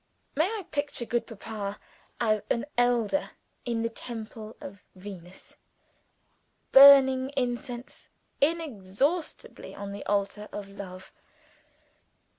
May I picture good Papa as an elder in the Temple of Venus, burning incense inexhaustibly on the altar of love?